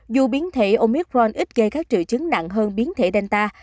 dù biến thể omicron ít gây các trự chứng nặng hơn biến thể delta